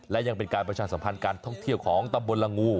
และยังเป็นการประชาสัมพันธ์การท่องเที่ยวของตำบลละงู